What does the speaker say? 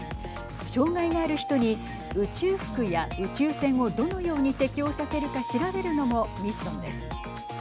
障害がある人に宇宙服や宇宙船をどのように適用させるか調べるのもミッションです。